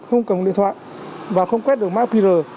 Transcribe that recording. không cần điện thoại và không quét được mạng qr